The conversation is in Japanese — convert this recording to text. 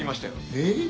えっ？